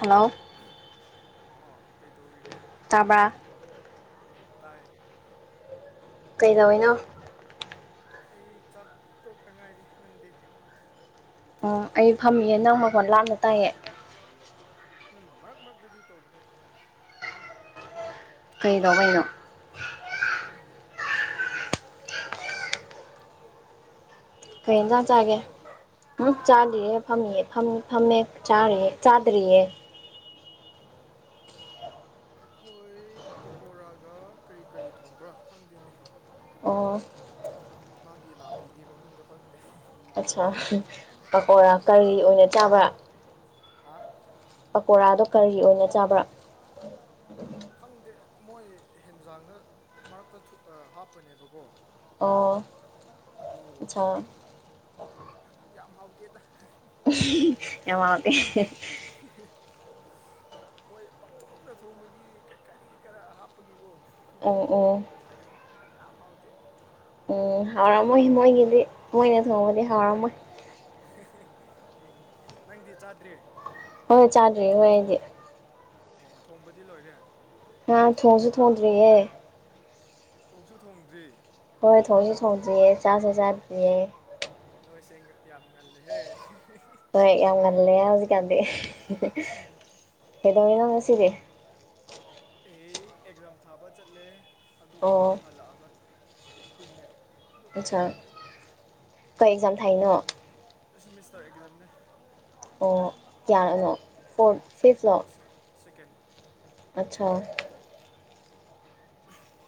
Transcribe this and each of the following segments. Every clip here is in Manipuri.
ꯍꯂꯣ ꯑꯣ ꯀꯩ ꯇꯧꯔꯤꯒꯦ ꯇꯕ꯭ꯔꯥ ꯎꯝ ꯇꯥꯔꯦ ꯀꯩꯗꯧꯏꯅꯣ ꯑꯩ ꯆꯥꯛ ꯇꯣꯛꯇ ꯉꯥꯏꯔꯤ ꯅꯪꯗꯤ ꯎꯝ ꯑꯩ ꯐꯝꯃꯤꯌꯦꯦ ꯅꯪ ꯃꯈꯣꯟ ꯂꯥꯞꯅ ꯇꯥꯏꯌꯦ ꯎꯝ ꯃꯔꯛ ꯃꯔꯛꯇꯗꯤ ꯇꯧꯕꯅꯦ ꯁꯨꯃꯥꯏꯅ ꯊ ꯂꯣꯋꯥꯏꯩꯅꯣ ꯈꯪꯗꯦ ꯀꯩꯟꯖ ꯆꯥꯛꯇꯤ ꯆꯥꯒꯦ ꯆꯥꯔꯕꯣ ꯎꯝ ꯍꯥ ꯆꯥꯗꯤꯔꯦ ꯐꯝꯃꯤꯌꯦ ꯍꯃꯦ ꯆꯥ ꯆꯥꯗꯔꯤꯌꯦ ꯑꯣ ꯑꯩꯈꯣꯏ ꯄꯀꯣꯔꯥꯒ ꯀꯔꯤ ꯀꯔꯤ ꯊꯣꯡꯕ꯭ꯔꯥ ꯈꯪꯗꯦꯅꯦ ꯑꯣ ꯃꯥꯒꯤ ꯅꯥꯄꯤꯒꯤ ꯃꯃꯤꯡꯗꯣ ꯈꯪꯗꯦ ꯑꯠꯆꯥ ꯄꯥ ꯀꯔꯤ ꯑꯣꯏꯅ ꯆꯥꯕ꯭ꯔꯥ ꯑ ꯄꯀꯣꯔꯥꯗꯣ ꯀꯔꯤ ꯑꯣꯏꯅ ꯆꯥꯕ꯭ꯔꯥ ꯈꯪꯗꯦ ꯃꯣꯏ ꯍꯦꯟꯖꯥꯡꯗ ꯃꯔꯛꯇ ꯍꯥꯞꯄꯅꯦꯕꯀꯣ ꯑꯗꯨ ꯆꯥ ꯌꯥꯝ ꯍꯥꯎꯇꯗ ꯌꯥꯝꯃꯗꯤ ꯃꯣꯏ ꯄꯥꯡꯊꯣꯛ ꯈ꯭ꯔ ꯊꯣꯡꯕꯒꯤ ꯀꯔꯤ ꯀꯔꯥ ꯍꯥꯞꯄꯒꯤꯀꯣ ꯑ ꯑꯣ ꯑ ꯍꯥꯎꯗꯤ ꯎꯝ ꯍꯥꯎꯔꯝꯃꯣꯏ ꯃꯣꯏꯒꯤꯗꯤ ꯃꯣꯏꯅ ꯊꯣꯡꯕꯗꯤ ꯍꯥꯎꯔꯝꯃꯣꯏ ꯎꯝ ꯅꯪꯗꯤ ꯆꯥꯗ꯭ꯔꯦ ꯍꯣꯏ ꯍꯣꯏ ꯆꯥꯗ꯭ꯔꯤ ꯍꯣꯏ ꯑꯩꯗꯤ ꯑꯣ ꯊꯣꯡꯕꯗꯤ ꯂꯣꯏꯔꯦ ꯑꯥ ꯊꯣꯡꯁꯨ ꯊꯣꯡꯗ꯭ꯔꯤꯌꯦꯦ ꯇꯧꯁꯨ ꯊꯣꯡꯗ꯭ꯔꯤ ꯍꯣꯏ ꯊꯣꯡꯁꯨ ꯊꯣꯡꯗ꯭ꯔꯤꯌꯦ ꯆꯥꯁꯨ ꯆꯥꯗ꯭ꯔꯤꯌꯦ ꯅꯣꯏꯁꯦ ꯌꯥꯝ ꯉꯜꯂꯦꯍꯦ ꯍꯣꯏ ꯌꯥꯝ ꯉꯜꯂꯦ ꯍꯧꯖꯤꯀꯜꯗꯤ ꯉꯁꯤꯔꯦ ꯑꯩ ꯑꯦꯛꯖꯥꯝ ꯊꯥꯕ ꯆꯠꯂꯦ ꯑꯗꯨꯒ ꯑꯣ ꯍꯜꯂꯛꯑꯒ ꯇꯨꯝꯃꯦ ꯑꯗꯨ ꯑꯆꯥ ꯑꯗꯨꯈꯛꯅꯦꯗ ꯈꯣꯏ ꯑꯦꯛꯖꯥꯝ ꯊꯥꯥꯏꯅꯣ ꯑꯁꯤ ꯃꯤꯁ ꯇꯧꯔ ꯑꯦꯛꯖꯝꯅꯦ ꯑꯣ ꯌꯥꯅꯣ ꯐꯣꯔ ꯐꯤꯐ ꯂꯥꯛ ꯁꯦꯀꯦꯟ ꯑꯆꯥꯥ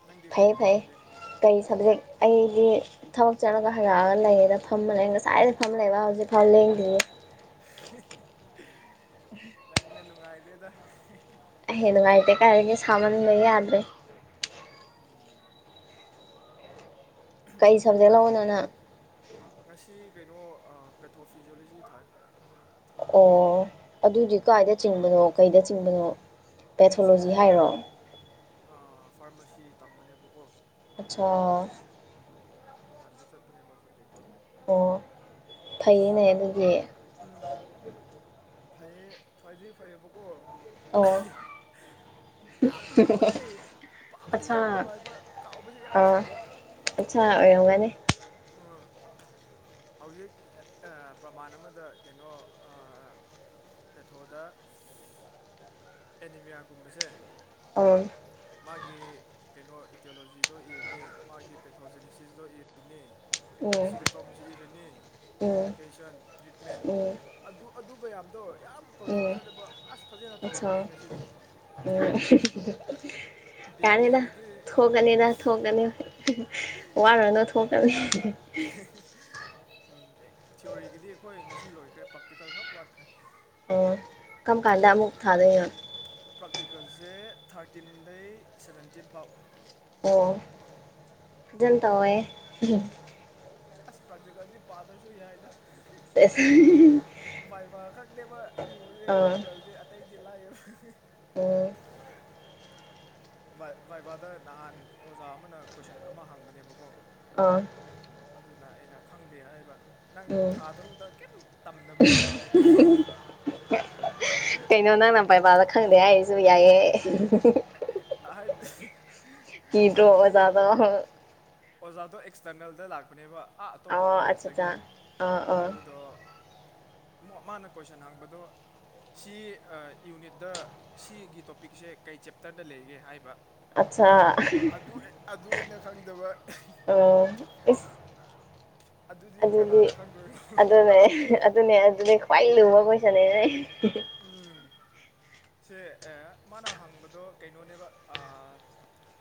ꯅꯪꯗꯤ ꯀꯩ ꯐꯩ ꯐꯩ ꯇꯧꯔꯝꯒꯦ ꯉꯁꯤ ꯀꯔꯤ ꯁꯕꯖꯦꯛ ꯑꯩꯗꯤ ꯊꯕꯛ ꯆꯠꯂꯒ ꯍꯩꯔꯛꯑꯒ ꯂꯩꯌꯦꯦꯅ ꯐꯝꯃ ꯂꯩꯔ ꯉꯁꯥꯏꯗ ꯐꯝꯃ ꯂꯩꯕ ꯍꯧꯖꯤꯛꯐꯥꯎ ꯂꯦꯡꯗ꯭ꯔꯤꯦ ꯅꯪꯅ ꯅꯨꯡꯉꯥꯏꯗꯦꯗ ꯍꯦꯩꯅꯅꯨꯡꯉꯥꯏꯇ ꯀꯥꯏꯔꯒꯤ ꯁꯃꯅ ꯂꯩꯦ ꯌꯥꯗꯃꯦ ꯎꯝ ꯀꯩ ꯁꯕꯖꯦꯛ ꯑꯩꯈꯣꯏ ꯂꯅꯣꯅ ꯉꯁꯤ ꯀꯩꯅꯣ ꯄꯦꯊꯣꯐꯤꯖꯤꯌꯣꯂꯣꯖꯤ ꯊꯥꯏ ꯑꯣ ꯑꯗꯨꯗꯤ ꯀꯥꯏꯗ ꯆꯤꯡꯕꯅꯣ ꯀꯩꯗ ꯆꯤꯡꯕꯅꯣ ꯄꯦꯊꯣꯂꯣꯖꯤ ꯍꯥꯏꯔꯣ ꯑ ꯐꯥꯔꯃꯥꯁꯤ ꯇꯝꯕꯅꯦꯕꯀꯣ ꯑꯆꯥ ꯇꯨꯡ ꯋꯥꯥꯟꯗꯅ ꯆꯠꯇꯅꯦꯕ ꯁꯕꯖꯦꯛ ꯇꯣ ꯑꯣ ꯐꯩꯅꯦ ꯑꯗꯨꯗꯤ ꯎꯝ ꯐꯩꯌꯦ ꯐꯗꯤ ꯐꯩꯌꯦꯕꯀꯣ ꯑꯣ ꯌꯥꯝ ꯂꯨꯕꯗꯤ ꯄꯥꯕꯗꯤ ꯌꯥꯝ ꯑꯆꯥ ꯅꯨꯡꯉꯥꯏꯕ ꯀꯥꯎꯕꯁꯦ ꯌꯥꯝ ꯑ ꯊꯨꯕ ꯑꯆꯥ ꯑꯣꯏꯔꯝꯒꯅꯤ ꯍꯧꯖꯤꯛ ꯄ꯭ꯔꯃꯥꯟ ꯑꯃꯗ ꯀꯩꯅꯣ ꯄꯦꯊꯣꯗ ꯑꯦꯅꯤꯃꯤꯌꯥꯒꯨꯝꯕꯁꯦ ꯑꯣ ꯃꯥꯒꯤ ꯀꯩꯅꯣ ꯏꯇꯤꯌꯣꯂꯣꯖꯤꯗꯣ ꯏꯔꯤꯅꯤ ꯃꯥꯒꯤ ꯄꯦꯊꯣꯖꯤꯦꯅꯤꯁꯤꯁꯇꯣ ꯏꯔꯤꯅꯤ ꯎꯝ ꯁꯤꯝꯇꯣꯝꯁ ꯏꯔꯅꯤ ꯎꯝ ꯀꯣꯝꯄ꯭ꯂꯤꯀꯦꯁꯟ ꯇ꯭ꯔꯤꯠꯃꯦꯟ ꯎꯝ ꯑꯗꯨ ꯑꯗꯨ ꯃꯌꯥꯝꯗꯣ ꯌꯥꯝ ꯀꯟꯐ꯭ꯌꯨꯖ ꯎꯝ ꯆꯂꯦꯕ ꯑꯁ ꯐꯖꯅ ꯑꯠꯁꯥ ꯇꯧꯔꯝꯅꯦ ꯉꯁꯤꯗꯤ ꯕꯦꯛ ꯌꯥꯅꯤꯗ ꯂꯩꯔꯗꯤ ꯊꯣꯛꯀꯅꯤꯗ ꯎꯝ ꯊꯣꯛꯀꯅꯤ ꯋꯥꯔꯅꯨ ꯊꯣꯛꯀꯅꯤ [unintelligible] ꯎꯝ ꯊꯤꯑꯣꯔꯤꯒꯤꯗꯤ ꯑꯩꯈꯣꯏ ꯉꯁꯤ ꯂꯣꯏꯈ꯭ꯔꯦ ꯄ꯭ꯔꯥꯛꯇꯤꯀꯜ ꯈꯛ ꯋꯥꯠꯈ꯭ꯔꯦ ꯀꯝ ꯀꯥꯟꯗ ꯑꯃꯨꯛ ꯊꯥꯗꯣꯏꯅꯣ ꯄ꯭ꯔꯥꯛꯇꯤꯀꯜꯁꯦ ꯊꯥꯔꯇꯤꯟꯗꯩ ꯁꯕꯦꯟꯇꯤꯟ ꯐꯥꯎ ꯖꯨꯟ ꯇꯧꯋꯦ ꯑꯁ ꯄ꯭ꯔꯛꯇꯤꯀꯜꯗꯤ ꯄꯥꯗꯔ꯭ ꯁꯨ ꯌꯥꯏꯗ ꯑꯦꯁ ꯀ ꯃꯥ ꯂ ꯂꯩ ꯄꯔꯇꯀꯜꯗ ꯑꯇꯩꯗꯤ ꯂꯥꯌꯦꯕ ꯎꯝ ꯕꯥꯏ ꯕꯥꯏꯚꯗ ꯅꯍꯥꯟ ꯑꯣꯖꯥ ꯑꯃꯅ ꯀꯣꯏꯁꯟ ꯑꯃ ꯍꯥꯡꯕꯅꯦꯕꯀꯣ ꯑꯥ [unintelligible] ꯑꯗꯨꯅ ꯑꯩꯅ ꯈꯪꯗꯦ ꯍꯥꯏꯕ ꯅꯪ ꯎꯝ ꯊꯥ ꯇꯔꯨꯛꯇ ꯀꯦꯝ ꯇꯝꯗꯕ꯭ꯔꯣ ꯍꯥꯏ ꯂꯥꯏꯔꯤ ꯀꯩꯅꯣ ꯅꯪ ꯅ ꯕꯥꯏꯕꯥꯗ ꯈꯪꯗꯦ ꯍꯥꯏꯁꯨ ꯌꯥꯏꯌꯦ ꯍꯥꯏꯊꯤ ꯀꯤꯗꯔꯣ ꯑꯣꯖꯥꯗꯣ ꯑꯣꯖꯥꯗꯣ ꯑꯦꯛꯁꯇꯔꯅꯦꯜꯗ ꯂꯥꯛꯄꯅꯦꯕ ꯑꯥ ꯑꯇꯣꯞ ꯄꯥ ꯑꯣ ꯑꯠꯆꯥ ꯑꯠꯆꯥ ꯀꯣꯂꯦꯖꯇꯒꯤ ꯑꯥ ꯑꯥ ꯑꯗꯨꯗꯣ ꯃꯥꯅ ꯀꯣꯏꯁꯟ ꯍꯡꯕꯗꯣ ꯁꯤ ꯌꯨꯅꯤꯠꯇ ꯁꯤꯒꯤ ꯇꯣꯄꯤꯛꯁꯦ ꯀꯩ ꯆꯦꯞꯇꯔꯗ ꯂꯩꯒꯦ ꯍꯥꯏꯕ ꯑꯠꯆꯥ ꯑꯗꯨꯒꯤ ꯑꯗꯨ ꯑꯩꯅ ꯈꯪꯗꯕ ꯑꯣ ꯏꯁ ꯑꯗꯨꯗꯤ ꯀꯅꯥꯅ ꯈꯪꯗꯣꯏꯅꯣ ꯑꯗꯨꯅꯦ ꯑꯗꯨꯅꯦ ꯑꯗꯨꯗꯤ ꯈ꯭ꯋꯥꯏ ꯂꯨꯕ ꯀꯣꯏꯁꯅꯦꯅꯦ ꯍ [unintelligible] ꯎꯝ ꯁꯦ ꯃꯥꯅ ꯍꯪꯕꯗꯣ ꯀꯩꯅꯣꯅꯦꯕ ꯑ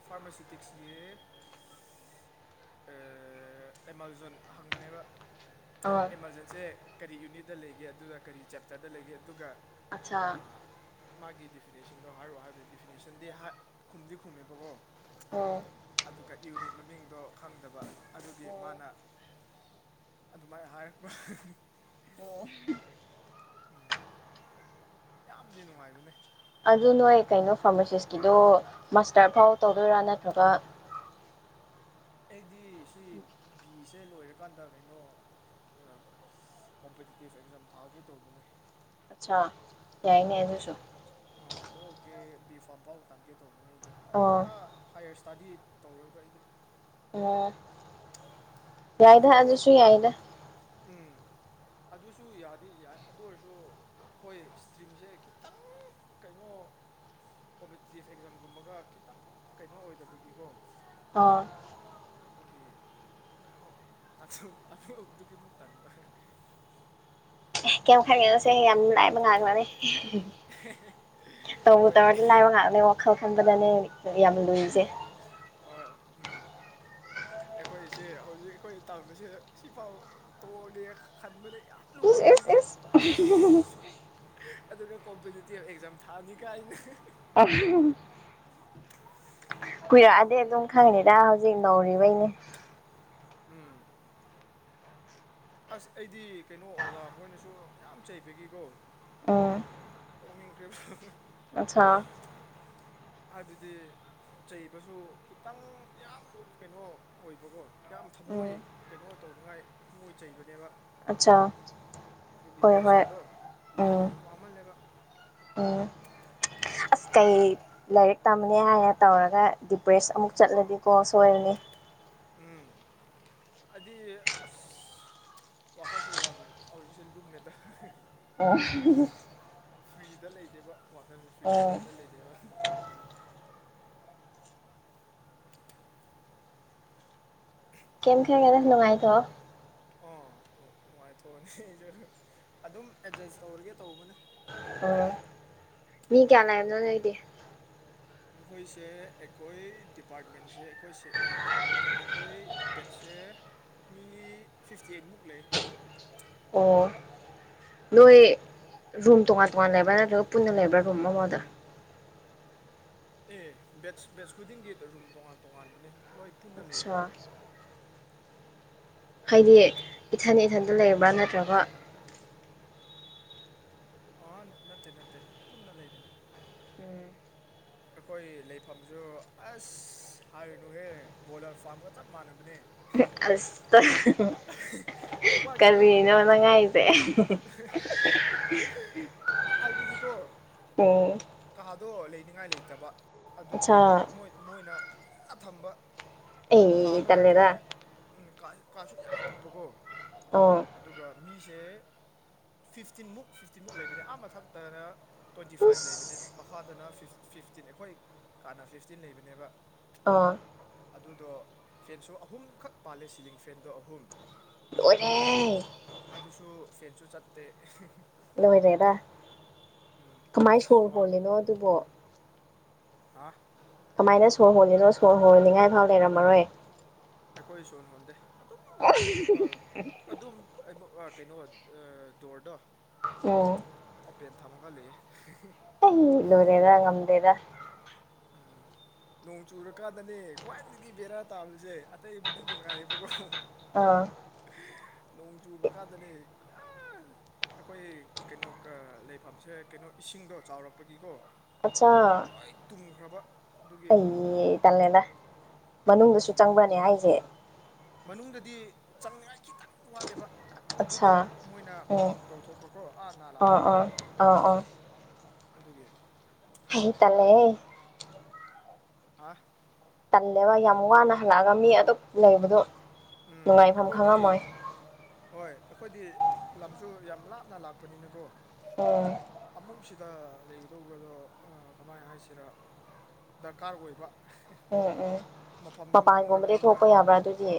ꯐꯥꯔꯃꯥꯁꯤꯇꯤꯛꯁ ꯀꯤ ꯑꯦ ꯑꯦ ꯑꯦꯃꯥꯖꯣꯟ ꯍꯪꯕꯅꯦꯕ ꯑ ꯑꯦꯃꯥꯔꯖꯦꯟꯁꯦ ꯀꯔꯤ ꯌꯨꯅꯤꯠꯇꯗ ꯂꯩꯒꯦ ꯑꯗꯨꯒ ꯀꯔꯤ ꯆꯦꯞꯇꯔꯗ ꯂꯩꯒꯦ ꯑꯗꯨꯒ ꯑꯆꯥ ꯑ, ꯃꯥꯒꯤ ꯗꯤꯐꯤꯅꯦꯁꯟꯗꯣ ꯍꯥꯏꯔꯛꯑꯣ ꯍꯥꯏꯕꯗꯤ ꯗꯤꯐꯤꯅꯦꯁꯟꯗꯤ ꯈꯨꯝꯗꯤ ꯈꯨꯝꯃꯦꯕꯀꯣ ꯑꯣ ꯑꯗꯨꯒ ꯌꯨꯅꯤꯠ ꯃꯃꯤꯡꯗꯣ ꯈꯪꯗꯕ ꯑꯗꯨꯒꯤ ꯃꯥꯅ ꯎꯝ ꯑꯗꯨꯃꯥꯏꯅ ꯍꯥꯏꯔꯛꯄ ꯎꯝ ꯌꯥꯝꯗꯤ ꯅꯨꯡꯉꯥꯏꯕꯅꯦ ꯑꯗꯨ ꯅꯣꯏ ꯀꯩꯅꯣ ꯐꯥꯔꯃꯥꯁꯤꯁꯀꯤꯗꯣ ꯃꯥꯁꯇꯔ ꯐꯥꯎ ꯇꯧꯗꯣꯏꯔꯥ ꯅꯠꯇ꯭ꯔꯒ [inaudible] ꯑꯩꯗꯤ ꯁꯤ ꯕꯤꯁꯦ ꯂꯣꯏꯔꯀꯥꯟꯗ ꯀꯩꯅꯣ ꯀꯣꯝꯄꯤꯇꯤꯇꯤꯚ ꯑꯦꯛꯖꯥꯝ ꯊꯥꯒꯦ ꯇꯧꯕꯅꯦ ꯑꯆꯥꯥ ꯌꯥꯏꯅꯦ ꯑꯗꯨꯁꯨ ꯑ ꯇꯣ ꯑꯦ ꯕꯤ ꯐꯥꯕꯥꯝ ꯐꯥꯎ ꯇꯥꯪꯒꯦ ꯑꯣ ꯏꯁꯇꯗꯤ ꯇꯧꯔꯣꯏꯕ ꯑꯩꯗꯤ ꯎꯝ ꯌꯥꯏꯗ ꯑꯗꯨ ꯑꯗꯁꯨ ꯌꯥꯏꯗ ꯎꯝ ꯑꯗꯨꯁꯨ ꯌꯥꯗꯤ ꯌꯥꯏ ꯑꯗꯨ ꯑꯣꯏꯔꯁꯨ ꯑꯩꯈꯣꯏ ꯏꯁꯇ꯭ꯔꯤꯝꯁꯦ ꯈꯤꯇꯪ ꯀꯩꯅꯣ ꯀꯣꯝꯄꯤꯇꯤꯇꯤꯞ ꯑꯦꯛꯖꯥꯝꯒꯨꯝꯕꯒ ꯈꯤꯇꯪ ꯀꯩꯅꯣ ꯑꯣꯏꯗꯕꯒꯤꯀꯣ ꯑꯣ ꯑꯗꯨꯒꯤ ꯑ ꯑꯗꯨꯒꯤꯃꯨꯛꯇ ꯇꯕ ꯑꯦ ꯀꯩꯝ ꯈꯪꯒꯦꯅꯣꯁꯦ ꯌꯥꯝ ꯂꯥꯏꯕ ꯉꯥꯛꯅꯅꯤ ꯇꯧꯕ ꯍꯣꯏ ꯇꯧꯔꯗꯤ ꯂꯥꯏꯕ ꯉꯥꯛꯅꯦ ꯋꯥꯈꯜ ꯈꯟꯕꯗꯅꯦ ꯌꯥꯝ ꯂꯨꯖꯩ ꯍꯣꯏ ꯎꯝ ꯑꯩꯈꯣꯏꯁꯦ ꯍꯧꯖꯤꯛ ꯑꯩꯈꯣꯏ ꯇꯁꯗ ꯁꯤꯐꯥꯎ ꯇꯣꯛꯑꯒꯦ ꯈꯟꯕꯔꯦ ꯌꯥꯝ ꯂꯨꯃꯟꯕꯒꯤ ꯑꯁ ꯍ ꯑꯗꯨꯒ ꯀꯣꯝꯄꯤꯇꯤꯇꯤꯚ ꯑꯦꯛꯖꯥꯝ ꯊꯥꯅꯤ ꯀꯥꯏꯅ ꯑ ꯀꯨꯏꯔꯛꯑꯗꯤ ꯑꯗꯨꯝ ꯈꯪꯉꯅꯤꯗ ꯍꯧꯖꯤꯛ ꯅꯧꯔꯤꯕꯩꯅꯦ ꯎꯝ ꯑꯁ ꯑꯩꯗꯤ ꯀꯩꯅꯣ ꯑꯣꯖꯥ ꯑꯩꯈꯣꯏꯅꯁꯨ ꯌꯥꯝ ꯆꯩꯕꯒꯤꯀꯣ ꯇꯧꯃꯤꯤꯟ ꯀ꯭ꯔꯦ ꯑꯆꯥꯆꯥ ꯑꯗꯨꯗꯤ ꯆꯩꯕꯁꯨ ꯈꯤꯇꯪ ꯌꯥꯝ ꯀꯩꯅꯣ ꯑꯣꯏꯕꯀꯣ ꯌꯥꯝ ꯊꯃꯣꯏ ꯎꯝ ꯀꯩꯅꯣ ꯇꯧ ꯇꯧꯅꯤꯡꯉꯥꯏ ꯄꯨꯡꯣꯏ ꯆꯩꯕꯅꯦꯕ ꯑꯆꯥ ꯑꯗꯨꯒꯤ ꯄ꯭ꯔꯦꯁꯔꯗꯣ ꯌꯥꯝ ꯋꯥꯃꯜꯂꯦꯕ ꯎꯝ ꯑꯁ ꯀꯩ ꯂꯥꯏꯔꯤꯛ ꯇꯝꯃꯅꯤ ꯍꯥꯏꯅ ꯇꯧꯔꯒ ꯗꯤꯄ꯭ꯔꯦꯁ ꯑꯃꯨꯛ ꯆꯠꯂꯗꯤꯀꯣ ꯑꯣꯏꯅꯤ ꯎꯝ ꯍꯥꯏꯗꯤ ꯑꯁ ꯋꯥꯈꯜꯁꯦ ꯌꯥꯝ ꯍꯧꯖꯤꯛꯁꯦ ꯂꯨꯝꯃꯦꯗ ꯑ ꯐ꯭ꯔꯤꯗ ꯂꯩꯗꯦꯕ ꯋꯥꯈꯜꯁꯦ ꯐ꯭ꯔꯤ ꯏꯁꯇꯦꯠꯠꯇ ꯂꯩꯗꯦꯕ ꯀꯝ ꯈꯔ ꯀꯗ ꯅꯨꯡꯉꯥꯏꯊꯣ ꯑꯣ ꯅꯨꯡꯉꯥꯏꯊꯣꯛꯑꯅꯤ ꯑꯩꯁ ꯑꯗꯨꯝ ꯑꯦꯗꯖꯁ ꯇꯧꯔꯒꯦ ꯇꯧꯕꯅꯦ ꯑꯣ ꯃꯤ ꯀꯌꯥ ꯂꯅꯥꯏꯝꯅꯣ ꯅꯣꯏꯗꯤ ꯑꯩꯈꯣꯏꯁꯦ ꯑꯩꯈꯣꯏ ꯗꯤꯄꯥꯔꯠꯃꯦꯟꯁꯦ ꯑꯩꯈꯣꯏꯦ ꯅꯠꯇꯦ ꯑꯩꯈꯣꯏ ꯕꯦꯠꯁꯦ ꯑꯗ ꯃꯤ ꯐꯤꯐꯇꯤ ꯑꯩꯠꯃꯨꯛ ꯂꯩ ꯑꯣ ꯅꯣꯏ ꯔꯨꯝ ꯇꯣꯉꯥꯟ ꯇꯣꯉꯥꯟ ꯂꯩꯕ꯭ꯔꯥ ꯅꯠꯇ꯭ꯔꯒ ꯄꯨꯟꯅ ꯂꯩꯕ꯭ꯔꯥ ꯔꯨꯝ ꯑꯃꯗ ꯑꯦ ꯕꯦꯠ ꯕꯦꯠꯁ ꯈꯨꯗꯤꯡꯒꯤ ꯔꯨꯝ ꯇꯣꯉꯥꯟ ꯇꯣꯉꯥꯟꯕꯅꯤ ꯂꯣꯏ ꯄꯨꯟꯅ ꯂꯩꯕꯅꯦ ꯑꯠꯁꯥ ꯍꯥꯏꯗꯤ ꯏꯊꯟ ꯏꯊꯟꯗ ꯂꯩꯕ꯭ꯔꯥ ꯅꯠꯇ꯭ꯔꯒ ꯑ ꯅꯠꯇꯦ ꯅꯠꯇꯦ ꯄꯨꯟꯅ ꯂꯩꯕꯅꯤ ꯑꯩꯈꯣꯏ ꯂꯩꯐꯝꯁꯨ ꯑꯁ ꯍꯥꯏꯔꯤꯨꯅꯨꯍꯦ ꯕꯣꯏꯂꯔ ꯐꯥꯔꯝꯒ ꯆꯞ ꯃꯥꯟꯅꯕꯅꯦ ꯑꯁ ꯅꯨꯄꯥꯒꯤ ꯔꯨꯝ ꯀꯕꯤꯅꯅꯉꯥꯏꯁꯦ ꯍꯥꯏꯕꯨꯗꯤꯀꯣ ꯎꯝ ꯑꯗꯣ ꯂꯩꯅꯤꯡꯉꯥꯏ ꯂꯩꯇꯕ ꯑꯗꯨꯒꯤ ꯃꯣꯏꯅ ꯄꯨꯟꯅ ꯊꯝꯕ ꯀꯥ ꯑꯩ ꯑꯃꯗ ꯇꯜꯂꯦꯗ ꯑꯩꯈꯣꯏ ꯎ ꯀꯥꯁꯨ ꯌꯥꯝ ꯄꯤꯛꯄꯀꯣ ꯑꯣ ꯑꯗꯨꯒ ꯃꯤꯁꯦ ꯐꯤꯐꯇꯤꯟꯃꯨꯛ ꯐꯤꯐꯇꯤꯟꯃꯨꯛ ꯂꯩꯕꯅꯦ ꯑ ꯃꯊꯛꯇꯅ ꯇ꯭ꯋꯦꯟꯇꯤ ꯐꯥꯏꯚ ꯂꯩꯕꯅꯦ ꯏꯁ ꯃꯈꯥꯗꯅ ꯐꯤꯐꯇꯤꯟ ꯑꯩꯈꯣꯏ ꯀꯥꯟꯅ ꯐꯤꯐꯇꯤꯟ ꯂꯩꯕꯅꯦꯕ ꯑ ꯑꯗꯨꯗꯣ ꯐꯦꯟꯁꯨ ꯑꯍꯨꯝꯈꯛ ꯄꯥꯜꯂꯦ ꯁꯤꯂꯤꯡ ꯐꯦꯟꯗꯣ ꯑꯍꯨꯝ ꯂꯣꯏꯔꯦ ꯍꯦ ꯁꯨ ꯆꯠꯇꯦ ꯂꯣꯏꯔꯦꯗ ꯎꯝ ꯀꯃꯥꯏ ꯑꯁ ꯁꯣꯔ ꯍꯣꯜꯂꯤꯅꯣ ꯑꯗꯨꯕꯣ ꯍꯥꯥ ꯀꯃꯥꯏꯅ ꯁꯣꯔ ꯍꯣꯜꯂꯤꯅꯣ ꯁꯣꯔ ꯍꯣꯅꯤꯡꯉꯥꯏꯐꯥꯎ ꯂꯩꯔꯝꯃꯔꯣꯏ ꯑꯩꯈꯣꯏ ꯁꯣꯟ ꯍꯣꯟꯗꯦ ꯑꯗꯨꯝ [inaudible] ꯑ ꯀꯩꯅꯣ ꯑ ꯗꯣ꯭ꯔꯗꯥꯣ ꯑꯣ ꯊꯥ ꯃꯥꯡꯒꯜꯂꯤ ꯂ‌ꯣꯏꯔꯦꯗ ꯉꯝꯗꯦꯗ ꯎꯝ ꯅꯣꯡ ꯆꯨꯔꯀꯥꯟꯗꯅꯦ ꯈ꯭ꯋꯥꯏꯗꯒꯤ ꯕꯦꯔꯥ ꯇꯥꯕꯁꯦ ꯑꯇꯩꯕꯨꯗꯤ ꯅꯨꯡꯉꯥꯏꯔꯕꯀꯣ ꯑꯥ ꯅꯣꯡ ꯆꯨꯕ ꯀꯥꯟꯗꯅꯦ ꯑꯩꯈꯣꯏ ꯀꯩꯅꯣ ꯂꯩꯐꯝꯁꯦ ꯀꯩꯅꯣ ꯏꯁꯤꯡꯗꯣ ꯆꯥꯎꯔꯛꯄꯒꯤꯀꯣ ꯑꯆꯥ ꯊꯨꯝꯈ꯭ꯔꯕ ꯑꯩ ꯇꯜꯂꯦꯗ ꯃꯅꯨꯡꯗꯁꯨ ꯎꯝ ꯆꯪꯕ꯭ꯔꯥꯅꯦ ꯍꯥꯏꯁꯦ ꯃꯅꯨꯡꯗꯗꯤ ꯆꯪꯅꯤꯉꯥꯏ ꯈꯤ ꯈꯤꯇꯪ ꯋꯥꯠꯂꯦꯕ ꯑꯠꯁꯥ ꯑꯗꯨꯗꯣ ꯃꯣꯏꯅ ꯎꯝ ꯄꯝ ꯇꯧꯊꯣꯛꯄꯀꯣ ꯑꯥ ꯅꯥꯂꯥꯗ ꯑꯥ ꯑꯥ ꯑꯗꯨꯒꯤ ꯍꯩ ꯇꯜꯂꯦꯍ‌ꯦ ꯑꯥ ꯇꯜꯂꯦꯕ ꯌꯥꯝ ꯋꯥꯅ ꯍꯜꯂꯛꯑꯒ ꯃꯤ ꯑꯗꯨꯛ ꯂꯩꯕꯗꯣ ꯎꯝ ꯅꯨꯡꯉꯥꯏꯐꯝ ꯈꯪꯉꯝꯃꯣꯏ ꯑꯩꯈꯣꯏꯗꯤ ꯍꯣꯏ ꯑꯩꯈꯣꯏꯗꯤ ꯂꯝꯁꯨ ꯌꯥꯝ ꯂꯥꯞꯅ ꯂꯥꯛꯄꯅꯤꯅꯀꯣ ꯑꯣ ꯑ ꯗ ꯂꯩꯒꯗꯧꯕꯗꯣ ꯀꯃꯥꯏꯅ ꯍꯥꯏꯁꯤꯔꯥ ꯗ꯭ꯔꯀꯥ꯭ꯔ ꯑꯣꯏꯕ ꯎꯝ ꯎꯝ ꯃꯐꯝꯁꯨ ꯃꯄꯥꯟꯒꯨꯝꯕꯗꯒꯤ ꯈꯪꯗꯕꯅꯤꯅ ꯊꯣꯛꯄ ꯌꯥꯕ꯭ꯔꯥ ꯑꯗꯨꯗꯤ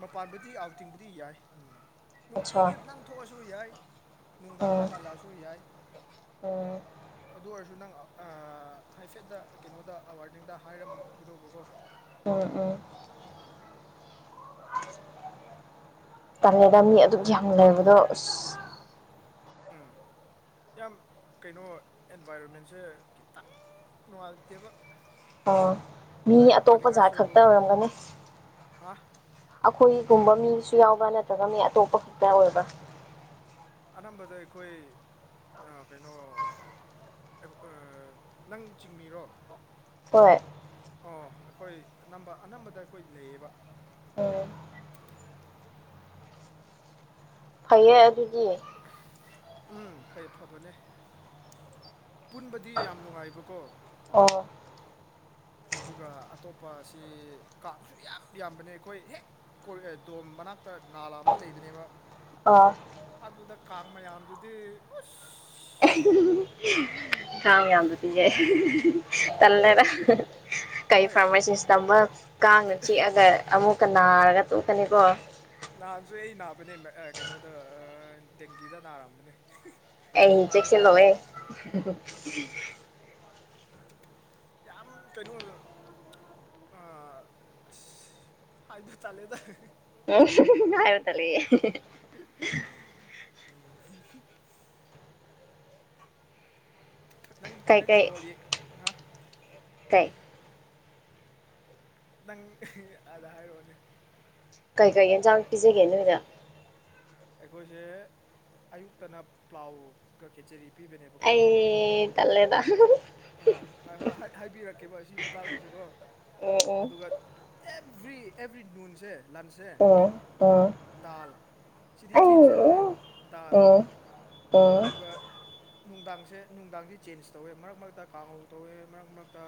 ꯃꯄꯥꯟꯕꯨꯗꯤ ꯑꯥꯎꯇꯤꯡꯕꯨꯗꯤ ꯌꯥꯏ ꯎꯝ ꯑꯠꯁꯥ ꯅꯨꯡꯇꯤꯒꯤ ꯅꯪ ꯊꯣꯛꯑꯁꯨ ꯌꯥꯏ ꯅꯨꯡꯗꯥꯡꯗ ꯎꯝ ꯍꯜꯂꯛꯑꯁꯨ ꯌꯥꯏ ꯎꯝ ꯑꯗꯨ ꯑꯣꯏ ꯑꯗꯨ ꯅꯪ ꯍꯥꯏꯐꯦꯠꯇ ꯀꯩꯅꯣꯗ ꯋꯥꯔꯗꯦꯟꯗ ꯍꯥꯏꯔꯝꯒꯗꯧꯕꯀꯣ ꯎꯝ ꯎꯝ ꯇꯜ ꯂꯦꯗ ꯃꯤ ꯑꯗꯨꯛ ꯌꯥꯝ ꯂꯩꯕꯗꯣ ꯑꯁ ꯎꯝ ꯌꯥꯝ ꯀꯩꯅꯣ ꯑꯦꯟꯚꯥꯏꯔꯣꯟꯃꯦꯟꯁꯦ ꯈꯤꯇꯪ ꯅꯨꯡꯉꯥꯏꯇꯦꯕ ꯑꯣ ꯃꯤ ꯂꯥꯏꯔꯤꯛ ꯑꯇꯣꯞꯄ ꯖꯥꯠ ꯄꯥꯅꯤꯡꯉꯥꯏꯁꯨ ꯈꯛꯇ ꯑꯣꯏꯔꯝꯒꯅꯤ ꯍꯥ ꯑꯩꯈꯣꯏ ꯒꯨꯝꯕ ꯃꯤꯁꯨ ꯌꯥꯎꯕ꯭ꯔ ꯅꯠꯇ꯭ꯔꯒ ꯃꯤ ꯑꯇꯣꯞꯄ ꯈꯛꯇ ꯑꯣꯏꯕ ꯑꯅꯝꯕꯗ ꯑꯩꯈꯣꯏ ꯀꯩꯅꯣ ꯅꯪ ꯆꯤꯡꯃꯤꯔꯣ ꯍꯣꯏ ꯑꯣ ꯑꯩꯈꯣꯏ ꯑꯅꯝꯕ ꯑꯅꯝꯕꯗ ꯑꯩꯈꯣꯏ ꯂꯩꯌꯦꯕ ꯑꯣꯝ ꯐꯩꯌꯦ ꯑꯗꯨꯗꯤ ꯎꯝ ꯐꯩ ꯐꯕꯅꯦ ꯄꯨꯟꯕꯗꯤ ꯌꯥꯝ ꯅꯨꯡꯉꯥꯏꯕꯀꯣ ꯑꯣ ꯑꯗꯨꯒ ꯑꯇꯣꯞꯄꯁꯤ ꯀꯥꯡꯁꯨ ꯌꯥꯝ ꯌꯥꯝꯕꯅꯤ ꯑꯩꯈꯣꯏ ꯍꯦꯛ ꯗꯣꯝ ꯃꯅꯥꯛ ꯅꯥꯂ ꯑꯃ ꯂꯩꯕꯅꯦꯕ ꯑꯥ ꯑꯗꯨꯗ ꯀꯥꯡ ꯃꯌꯥꯝꯗꯨꯗꯤ ꯎꯁ [unintelligible] ꯏꯟꯈꯥꯡ ꯌꯥꯝꯗ ꯄꯤꯖꯩ ꯎꯝ ꯇꯜꯂꯦꯔ ꯀꯩ ꯍꯣꯏ ꯐꯥꯔꯃꯥꯁꯤꯁ ꯇꯝꯕ ꯀꯥꯡꯅ ꯆꯤꯛꯑꯒ ꯑꯃꯨꯛꯀ ꯅꯥꯔꯒ ꯇꯣꯛꯀꯅꯤꯀꯣ ꯅꯅꯥꯁꯨ ꯑꯩ ꯅꯥꯕꯅꯦ ꯀꯩꯅꯣꯗ ꯑ ꯗꯦꯡꯒꯤꯗ ꯅꯥ ꯑꯔꯝꯕꯅꯦ ꯑ ꯏꯟꯆꯁ ꯅꯋꯦ ꯎꯝ ꯌꯥꯝ ꯀꯩꯅ ꯑ ꯍꯥꯏꯗ ꯆꯂꯦ ꯇ ꯎꯝ ꯍꯥꯏꯥꯏ ꯇꯂ ꯅꯪ ꯀꯩ ꯀꯩ ꯅꯪꯗꯤꯣꯜꯂꯤ ꯍꯥ ꯀꯩ ꯅꯪ ꯑꯗ ꯍꯥꯏꯔꯣꯅꯦꯦ ꯀꯩꯀꯩ ꯌꯦꯟꯁꯥꯡ ꯄꯤꯖꯒꯦ ꯅꯣꯏꯗ ꯑꯩꯈꯣꯏꯁꯦ ꯑꯌꯨꯛꯇꯅ ꯄ꯭ꯂꯥꯎꯒ ꯀꯦꯆꯔꯤ ꯑꯦ ꯇꯂꯦꯗ ꯑ ꯍꯣꯏ ꯍꯥꯏꯕꯤꯔꯛꯀꯦꯕꯣ ꯁꯤꯕ ꯇꯥꯗꯨꯁꯨꯀꯣ ꯎꯝ ꯑꯗꯨꯒ ꯑꯦꯚ꯭ꯔꯤ ꯑꯦꯚ꯭ꯔꯤ ꯅꯨꯟꯁꯦ ꯂꯟꯁꯁꯦ ꯎꯝ ꯗꯥꯜ ꯁꯤꯗꯤ ꯑꯩ ꯆꯦꯟꯖ ꯇꯧꯗꯦ ꯎꯝ ꯗꯥꯜ ꯎꯝ ꯑꯗꯨꯒ ꯅꯨꯡꯗꯥꯡꯁꯦ ꯅꯨꯡꯗꯥꯡꯁ ꯆꯦꯟꯖ ꯇꯧꯋꯦ ꯃꯔꯛ ꯃꯔꯛꯇ ꯀꯥꯡꯍꯧꯜ ꯇꯧꯋꯦ ꯃꯔꯛ ꯃꯔꯛꯇ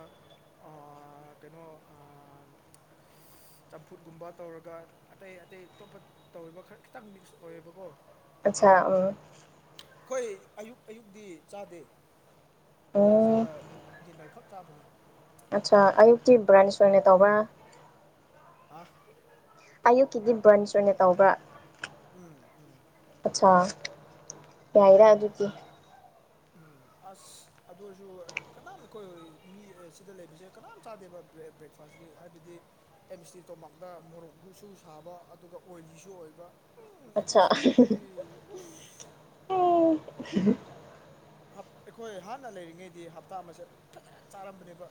ꯀꯩꯅꯣ ꯆꯝꯐꯨꯠꯒꯨꯝꯕ ꯇꯧꯔꯒ ꯑꯇꯩ ꯑꯇꯩ ꯑꯇꯣꯞꯄ ꯇꯧꯔꯤꯕ ꯈꯔ ꯈꯤꯇꯪ ꯃꯤꯛꯁ ꯑꯣꯏꯌꯦꯕꯀꯣ ꯑꯆꯥ ꯎꯝ ꯑꯩꯈꯣꯏ ꯑꯌꯨꯛ ꯑꯌꯨꯛꯇꯤ ꯆꯥꯗꯦ ꯂꯟꯁꯀ ꯅꯨꯡ ꯗꯤꯟꯅꯔ ꯈꯛ ꯆꯕꯅꯤ ꯑꯆꯥ ꯑꯌꯨꯛꯀꯤ ꯕ꯭ꯔꯥꯟ ꯁꯦꯟꯦ ꯇꯧꯕ꯭ꯔꯥ ꯑ ꯑꯌꯨꯛꯀꯤꯗꯤ ꯕ꯭ꯔꯟꯁ ꯑꯣꯏꯅ ꯇꯧꯕ꯭ꯔꯥ ꯎꯝ ꯎꯝ ꯑꯠꯆꯥ ꯌꯥꯏꯔ ꯑꯗꯨꯀꯤ ꯎꯝ ꯑꯁ ꯑꯗꯨ ꯑꯣꯏꯔꯁꯨ ꯀꯅꯥꯝ ꯑꯩꯈꯣꯏ ꯃꯤ ꯁꯤꯗ ꯂꯩꯕꯁꯦ ꯀꯅꯥꯝ ꯆꯥꯗꯦꯕ ꯕ꯭ꯔꯦꯛꯐꯥꯁ ꯍꯥꯏꯕꯗꯤ ꯑꯦꯝꯁꯇꯤ ꯇꯣꯝꯄꯥꯛꯇ ꯃꯣꯔꯣꯛꯒꯁꯨ ꯁꯥꯕ ꯑꯗꯨꯒ ꯑꯣꯏꯂꯤꯁꯨ ꯑꯣꯏꯕ ꯎꯝ ꯑꯠꯆꯥ ꯑꯇꯁꯨꯇꯣ ꯃꯥꯒꯗꯗꯤ ꯎ ꯎ ꯑꯩꯈꯣꯏ ꯍꯥꯟꯅ ꯂꯩꯔꯤꯉꯩꯗꯤ ꯍꯞꯇꯥ ꯑꯃꯁꯁꯦ ꯐ ꯆꯥꯔꯝꯕꯅꯦꯕ